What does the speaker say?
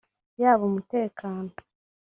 yaba umutekano